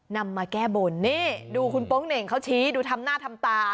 นำมาแก้บนนี่ดูคุณโป๊งเหน่งเขาชี้ดูทำหน้าทำตา